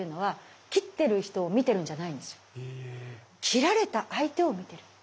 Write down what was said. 斬られた相手を見てる。